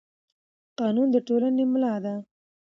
قانون د ټولنې ملا ده